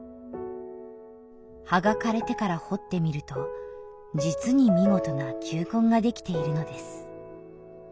「葉が枯れてから掘ってみると実に見事な球根が出来ているのです」